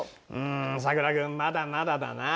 んさくら君まだまだだな。